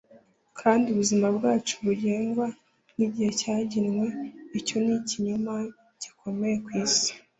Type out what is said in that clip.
kandi ubuzima bwacu bugengwa nigihe cyagenwe icyo ni ikinyoma gikomeye ku isi